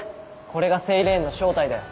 これがセイレーンの正体だよ。